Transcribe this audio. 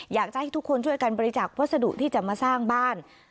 อยากจะให้ทุกคนช่วยกันบริจาควัสดุที่จะมาสร้างบ้าน